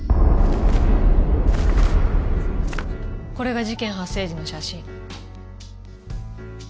これが事件発生時の写真。